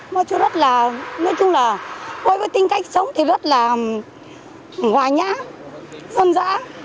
nói chú rất là nói chung là với tính cách sống thì rất là ngoài nhã dân dã